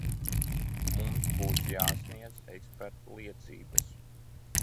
Mums būs jāsniedz ekspertu liecības.